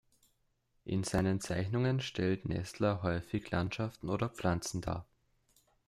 In seinen Zeichnungen stellt Nestler häufig Landschaften oder Pflanzen dar.